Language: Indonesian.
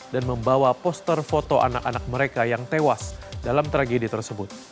dan membawa poster foto anak anak mereka yang tewas dalam tragedi tersebut